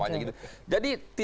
jadi tidak mesti